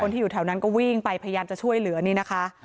ที่อยู่แถวนั้นก็วิ่งไปพยายามจะช่วยเหลือนี่นะคะ